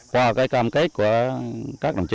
qua cái cam kết của các đồng chí